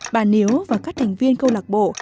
bà niếu và các thành viên câu lạc bộ